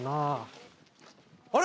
あれ？